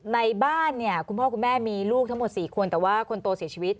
ในบ้านเนี่ยคุณพ่อคุณแม่มีลูกทั้งหมด๔คนแต่ว่าคนโตเสียชีวิต